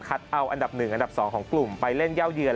เอาอันดับ๑อันดับ๒ของกลุ่มไปเล่นเย่าเยือน